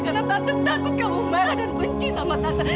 karena tante takut kamu marah dan benci sama tante